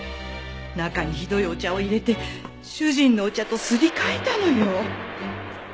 中にひどいお茶を入れて主人のお茶とすり替えたのよ！